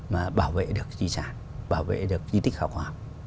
mà bảo vệ được di sản bảo vệ được di tích khoa học